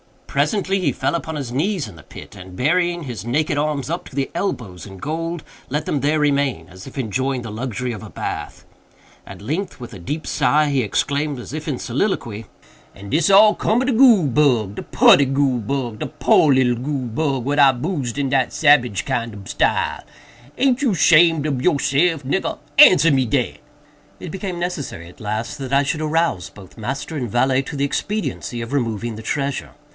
Presently he fell upon his knees in the pit, and, burying his naked arms up to the elbows in gold, let them there remain, as if enjoying the luxury of a bath. At length, with a deep sigh, he exclaimed, as if in a soliloquy: "And dis all cum ob de goole bug! de putty goole bug! de poor little goole bug, what I boosed in dat sabage kind ob style! Aint you shamed ob yourself, nigger?—answer me dat!" It became necessary, at last, that I should arouse both master and valet to the expediency of removing the treasure.